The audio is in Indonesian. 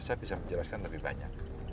saya bisa menjelaskan lebih banyak